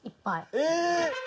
え！？